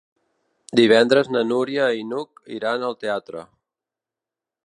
Divendres na Núria i n'Hug iran al teatre.